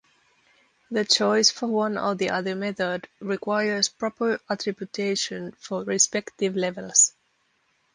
The choice for one or the other method requires proper attributation for respective levels.